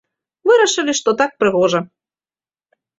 Вырашылі, што так прыгожа.